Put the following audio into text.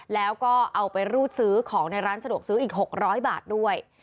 แล้วก็เอาไปรูดซื้อของในร้านสะดวกซื้ออีก๖๐๐บาทด้วย